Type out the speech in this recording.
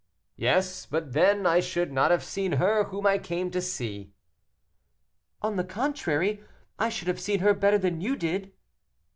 "Yes, but then I should not have seen her whom I came to see." "On the contrary, I should have seen her better than you did."